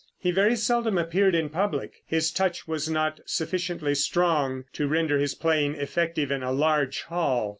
He very seldom appeared in public. His touch was not sufficiently strong to render his playing effective in a large hall.